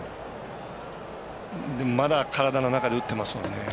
まだ、体の中で打ってますもんね。